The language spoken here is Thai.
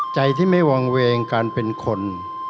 ใจที่ไม่วางเวงการเป็นคน